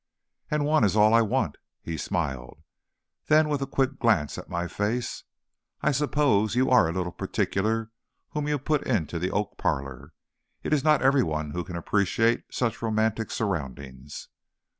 "And one is all I want," he smiled. Then, with a quick glance at my face: "I suppose you are a little particular whom you put into the oak parlor. It is not every one who can appreciate such romantic surroundings."